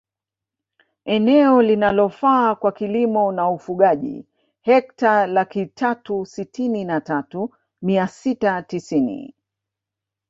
Eneo linalofaa kwa kilimo naufugaji hekta laki tatu sitini na tatu mia sita tisini